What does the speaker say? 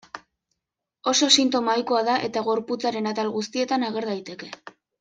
Oso sintoma ohikoa da, eta gorputzaren atal guztietan ager daiteke.